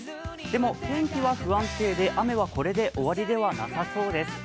でも、天気は不安定で雨はこれで終わりではなさそうです。